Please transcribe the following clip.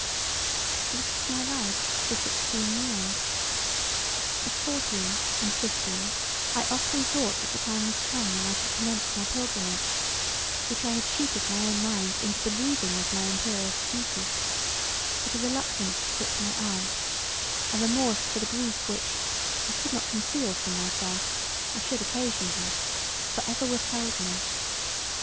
This was my life for sixteen years. At fourteen and fifteen I often thought that the time was come when I should commence my pilgrimage, which I had cheated my own mind into believing was my imperious duty: but a reluctance to quit my Aunt; a remorse for the grief which, I could not conceal from myself, I should occasion her for ever withheld me.